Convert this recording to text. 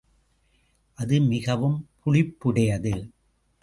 அது மிகவும் புளிப்புடையது.